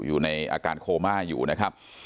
อยู่ในอาการโคม่าอยู่นะครับ